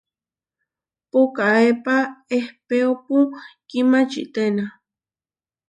Puʼkaépa ehpéopu kimačiténa.